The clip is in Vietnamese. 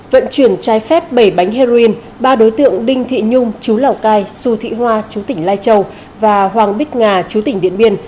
vận chuyển trái phép bảy bánh heroin ba đối tượng đinh thị nhung chú lào cai xu thị hoa chú tỉnh lai châu và hoàng bích ngà chú tỉnh điện biên